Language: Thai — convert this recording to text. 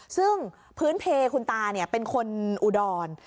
ซึ่งพื้นเพคุณตาเป็นคนอุดร